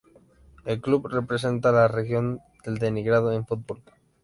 El club representa a la región de Leningrado en fútbol.